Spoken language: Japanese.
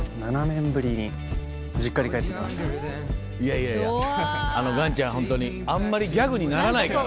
いやいや岩ちゃんホントにあんまりギャグにならないから。